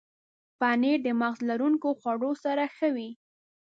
پنېر د مغز لرونکو خوړو سره ښه وي.